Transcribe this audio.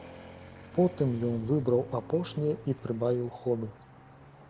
Потым ён выбраў апошняе і прыбавіў ходу.